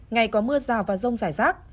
ngày có mưa rào và rông giải rác